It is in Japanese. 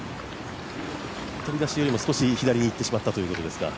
飛び出しよりも左に行ってしまったということですか。